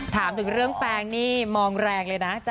ถามถึงเรื่องแฟนนี่มองแรงเลยนะ